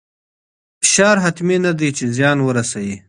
فشار حتمي نه دی چې زیان ورسوي.